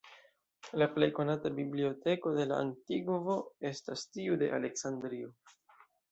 La plej konata biblioteko de la antikvo estas tiu de Aleksandrio.